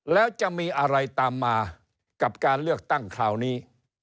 แล้วจะมีอะไรตามมากับการเลือกตั้งคราวนี้